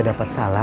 kenapa tidak bisa